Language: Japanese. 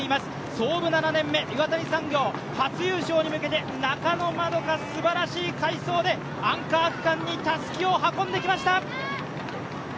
創部７年目、岩谷産業、初優勝に向けて中野円花、すばらしい快走でアンカー区間にたすきを運んできました。